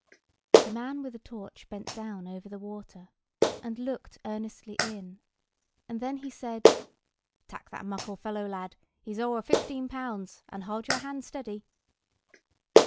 The man with the torch bent down over the water, and looked earnestly in; and then he said: "Tak' that muckle fellow, lad; he's ower fifteen punds; and haud your hand steady."